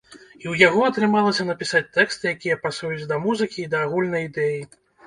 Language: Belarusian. І ў яго атрымалася напісаць тэксты, якія пасуюць да музыкі і да агульнай ідэі.